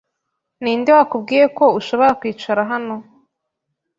Ninde wakubwiye ko ushobora kwicara hano?